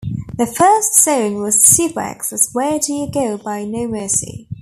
The first song as "SuperX" was "Where Do You Go" by No Mercy.